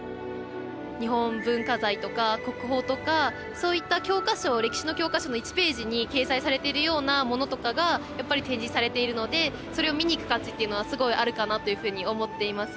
そういった教科書歴史の教科書の１ページに掲載されているようなものとかが展示されているのでそれを見に行く価値っていうのはすごいあるかなというふうに思っています。